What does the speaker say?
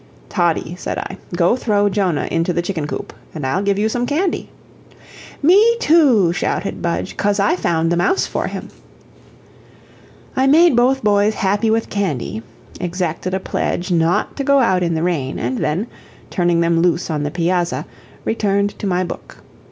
"Toddie," said I, "go throw Jonah into the chicken coop, and I'll give you some candy." "Me too," shouted Budge, "cos I found the mouse for him." I made both boys happy with candy, exacted a pledge not to go out in the rain, and then, turning them loose on the piazza, returned to my book.